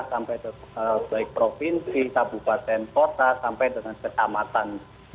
sampai baik provinsi kabupaten kota sampai dengan kecamatan